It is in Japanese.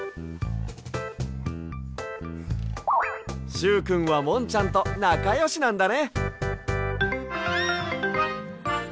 しゅうくんはもんちゃんとなかよしなんだね。